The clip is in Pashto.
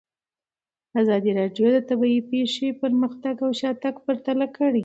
ازادي راډیو د طبیعي پېښې پرمختګ او شاتګ پرتله کړی.